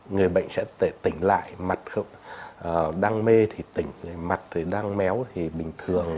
người bệnh sẽ tỉnh lại mặt đang mê thì tỉnh mặt đang méo thì bình thường